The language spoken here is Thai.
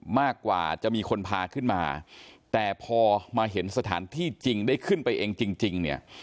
มากกว่าจะมีคนพาขึ้นมาแต่พอมาเห็นสถานที่จริงได้ขึ้นไปเองจริงจริงเนี่ย